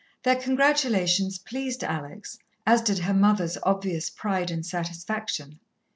Their congratulations pleased Alex, as did her mother's obvious pride and satisfaction.